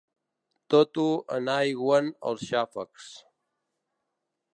Tot ho enaigüen els xàfecs.